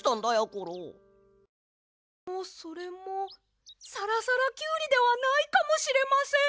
これもそれもさらさらキュウリではないかもしれません！